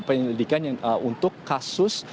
penyelidikan untuk kasus